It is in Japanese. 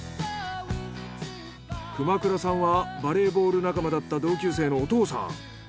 熊倉さんはバレーボール仲間だった同級生のお父さん。